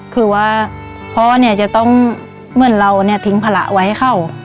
คือว่าพ่อเนี่ยจะต้องเหมือนเราเนี่ยทิ้งภาระไว้ให้เขา